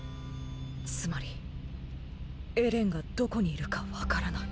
つまりエレンがどこにいるかわからない。